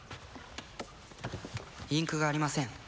インクがありません